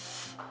papi cabut ya